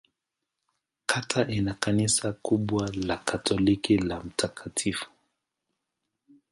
Kata ina kanisa kubwa la Katoliki la Mt.